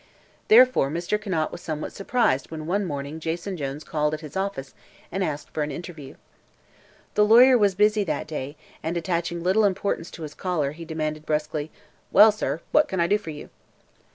Therefore Mr. Conant was somewhat surprised when one morning Jason Jones called at his office and asked for an interview. The lawyer was busy that day, and attaching little importance to his caller he demanded brusquely: "Well, sir, what can I do for you?"